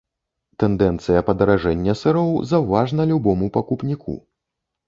Тэндэнцыя падаражэння сыроў заўважна любому пакупніку.